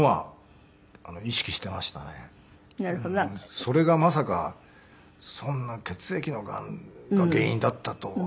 それがまさかそんな血液のがんが原因だったとは。